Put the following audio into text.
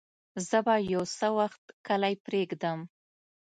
زه به يو څه وخت کلی پرېږدم.